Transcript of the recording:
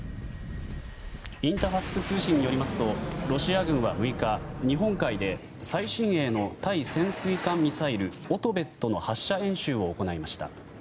インタファクス通信によりますとロシア軍は６日、日本海で最新鋭の対潜水艦ミサイルオトベットの発射演習を行いました。